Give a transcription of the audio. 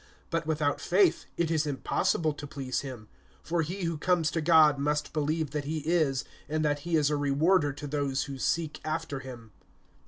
(6)But without faith it is impossible to please him; for he who comes to God must believe that he is, and that he is a rewarder to those who seek after him.